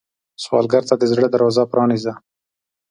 سوالګر ته د زړه دروازه پرانیزه